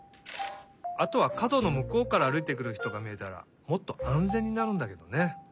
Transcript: あとはかどのむこうからあるいてくるひとがみえたらもっとあんぜんになるんだけどね。